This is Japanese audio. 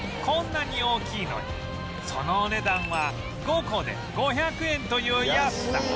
こんなに大きいのにそのお値段は５個で５００円という安さ